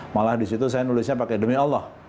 malah disitu saya nulisnya pakai demi allah